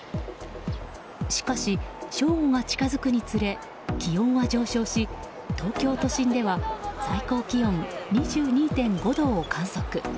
しかし、正午が近づくにつれ気温は上昇し東京都心では最高気温２２．５度を観測。